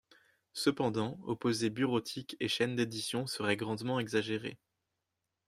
Cependant, opposer bureautique et chaîne d'édition serait grandement exagéré.